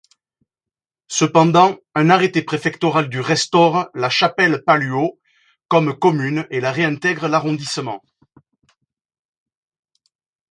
Cependant, un arrêté préfectoral du restaure La Chapelle-Palluau comme commune et la réintègre l’arrondissement.